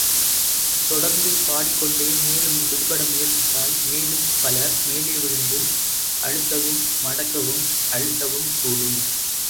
தொடர்ந்து பாடிக்கொண்டே மேலும் விடுபட முயற்சித்தால், மேலும் பலர் மேலே விழுந்து அழுத்தவும், மடக்கவும், அழுத்தவும் கூடும்.